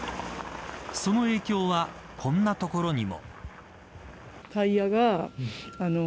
その影響はこんなところにも。